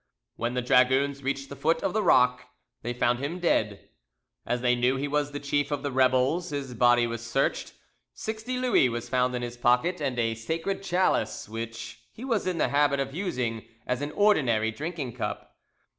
When the dragoons reached the foot of the rock, they found him dead. As they knew he was the chief of the rebels, his body was searched: sixty Louis was found in his pockets, and a sacred chalice which he was in the habit of using as an ordinary drinking cup.